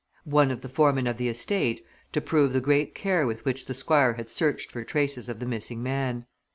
One of the foremen of the estate to prove the great care with which the Squire had searched for traces of the missing man.